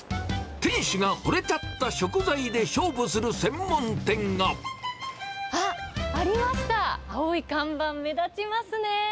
店主がほれちゃった食材で勝負すあっ、ありました、青い看板、目立ちますね。